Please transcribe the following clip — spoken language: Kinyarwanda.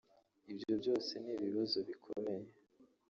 ibyo byose ni ibibazo bikomeye